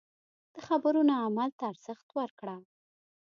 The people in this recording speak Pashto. د خبرو نه عمل ته ارزښت ورکړه.